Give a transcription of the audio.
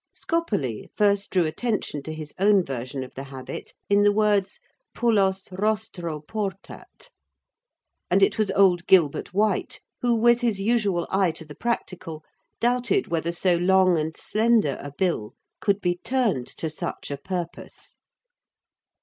Scopoli first drew attention to his own version of the habit in the words "pullos rostro portat," and it was old Gilbert White who, with his usual eye to the practical, doubted whether so long and slender a bill could be turned to such a purpose.